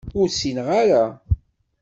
Ur ssineɣ ara.